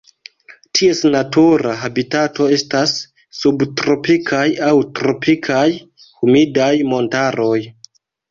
Ties natura habitato estas subtropikaj aŭ tropikaj humidaj montaroj.